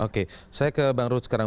oke saya ke bang ruth sekarang